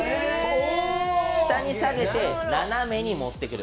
下に下げて斜めに持ってくる。